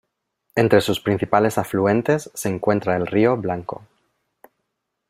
Entre sus principales afluentes se encuentra el río Blanco.